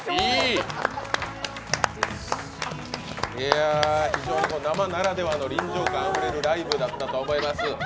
いや、非常に生ならではの臨場感あふれるライブだったと思います。